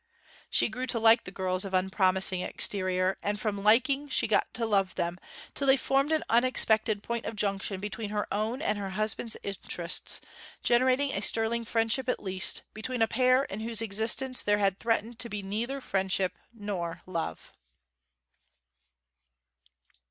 She grew to like the girls of unpromising exterior, and from liking she got to love them; till they formed an unexpected point of junction between her own and her husband's interests, generating a sterling friendship at least, between a pair in whose existence there had threatened to be neither friendship nor love.